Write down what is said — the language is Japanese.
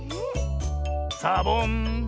サボン。